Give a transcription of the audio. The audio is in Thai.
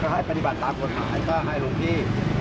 ให้ปฏิบัติตามกฎหมายก็ให้หลวงพี่